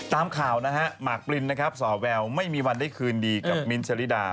ตามข่าวนะฮะหมากปรินนะครับสอแววไม่มีวันได้คืนดีกับมิ้นท์ชะลิดา